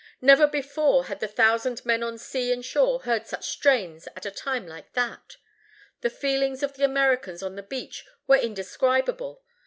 Never before had the thousand men on sea and shore heard such strains at a time like that. The feelings of the Americans on the beach were indescribable.